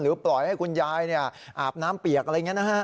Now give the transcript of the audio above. ปล่อยให้คุณยายอาบน้ำเปียกอะไรอย่างนี้นะฮะ